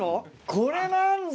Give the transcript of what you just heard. これなんだ！